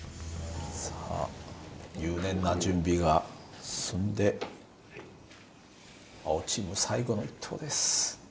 さあ入念な準備が済んで青チーム最後の１投です。